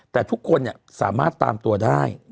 แต่ทุกคนสามารถตามตัวได้